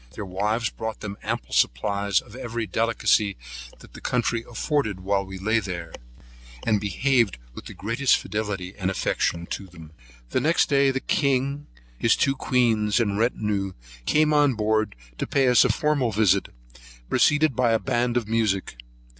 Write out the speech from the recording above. Their wives brought them ample supplies of every delicacy that the country afforded while we lay there, and behaved with the greatest fidelity and affection to them. Next day the king, his two queens, and retinue, came on board to pay us a formal visit, preceded by a band of music.